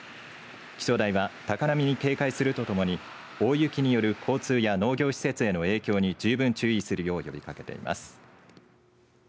気象台は高波に警戒するとともに大雪による交通や農業施設への影響に十分注意するよう呼びかけています。